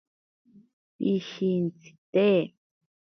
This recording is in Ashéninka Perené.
Pishintsite.